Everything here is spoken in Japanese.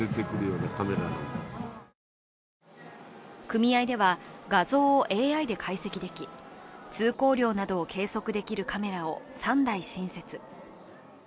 組合では画像をＡＩで解析でき通行量などを計測できるカメラを３台新設。